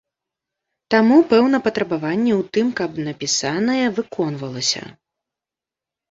Таму, пэўна, патрабаванні ў тым, каб напісанае выконвалася.